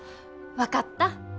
分かった。